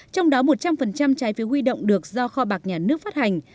trong đó một trăm linh trái phiếu huy động được do kho bạc nhà nước phát hành